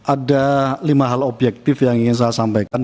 ada lima hal objektif yang ingin saya sampaikan